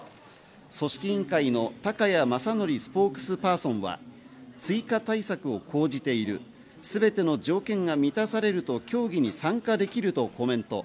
組織委員会の高谷正哲スポークスパーソンは、追加対策を講じる全ての条件が満たされると競技に参加できるとコメント。